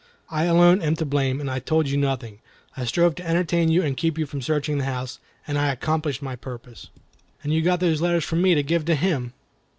I alone am to blame, and I told you nothing. I strove to entertain you and keep you from searching the house, and I accomplished my purpose." "And you got those letters from me to give to him?"